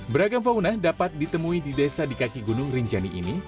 beragam fauna dapat ditemui di desa di kaki gunung rinjani ini